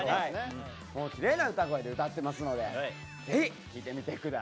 きれいな歌声で歌ってますのでぜひ聴いてみて下さい。